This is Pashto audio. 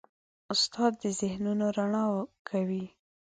استاد د ذهنونو رڼا کوي.